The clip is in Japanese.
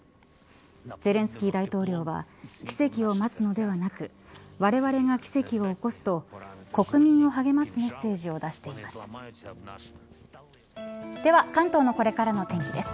ゼレンスキー大統領は奇跡を待つのではなくわれわれが奇跡を起こすと国民を励ますメッセージを出しています。